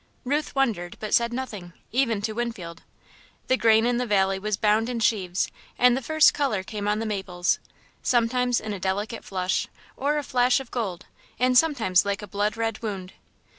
Ruth wondered, but said nothing, even to Winfield. The grain in the valley was bound in sheaves, and the first colour came on the maples sometimes in a delicate flush, or a flash of gold, and sometimes like a blood red wound.